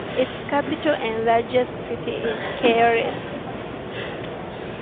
Its capital and largest city is Kielce.